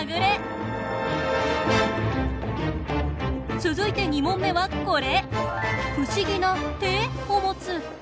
続いて２問目はこれ。